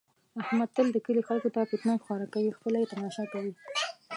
احمد تل د کلي خلکو کې فتنه خوره کوي، خپله یې تماشا کوي.